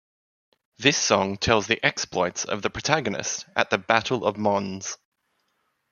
This song tells of the exploits of the protagonist at the Battle of Mons.